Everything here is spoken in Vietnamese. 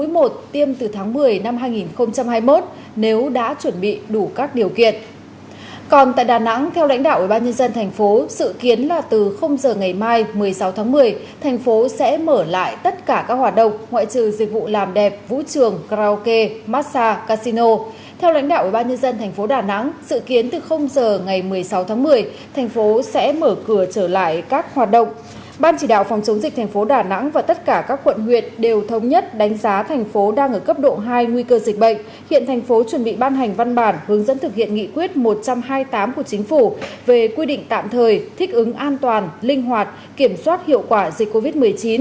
hiện thành phố chuẩn bị ban hành văn bản hướng dẫn thực hiện nghị quyết một trăm hai mươi tám của chính phủ về quy định tạm thời thích ứng an toàn linh hoạt kiểm soát hiệu quả dịch covid một mươi chín